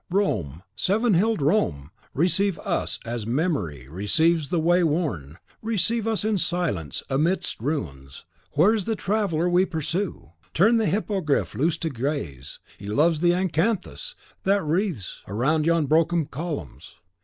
Rome, seven hilled Rome! receive us as Memory receives the way worn; receive us in silence, amidst ruins! Where is the traveller we pursue? Turn the hippogriff loose to graze: he loves the acanthus that wreathes round yon broken columns.